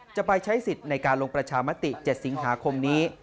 จะไปใช้สิทธิ์ในการลงประชามติ๗สิงหาคมนี้